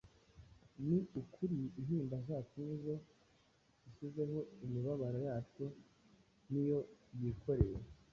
Ni ukuri, intimba zacu ni zo yishyizeho, imibabaro yacu ni yo yikoreye;